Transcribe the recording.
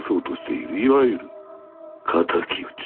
いわゆる敵討ち。